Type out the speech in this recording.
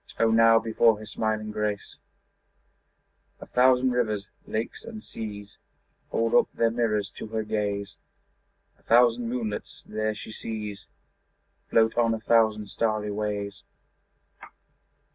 O now before her smiling grace A thousand rivers, lakes and seas Hold up their mirrors to her gaze: A thousand moonlets there she sees Float on a thousand starry ways.